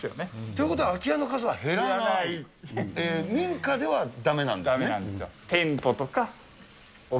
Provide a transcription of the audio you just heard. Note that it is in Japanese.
ということは、空き家の数は減らない？だめなんですよ。